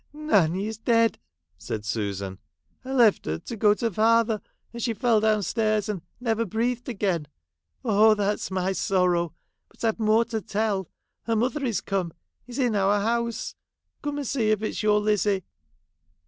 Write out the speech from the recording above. ' Nanny is dead !' said Susan. ' I left her to go to father, and she fell down stairs, and never breathed again. Oh, that 's my sorrow ! but I've more to tell. Her mother is come — is in our house ! Come and see if it 's your Lizzie.'